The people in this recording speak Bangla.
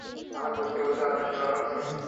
আমার পুত্রবধূ আপনার সেবা করছে।